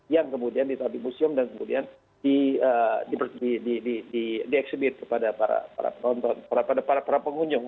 yang kemudian ditabik museum dan kemudian dieksibit kepada para pengunjung